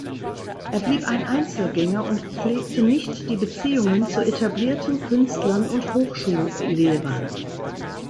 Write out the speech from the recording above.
Er blieb ein Einzelgänger und pflegte nicht die Beziehungen zu etablierten Künstlern und Hochschullehrern.